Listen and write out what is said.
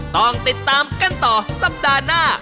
ต้องติดตามกันต่อสัปดาห์หน้า